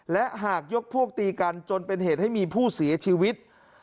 และหากยกพวกตีกันจนเป็นเหตุให้มีผู้เสียชีวิต